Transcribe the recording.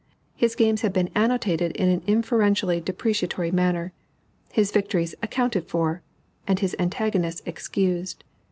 His games had been annotated in an inferentially depreciatory manner, his victories accounted for, and his antagonists excused.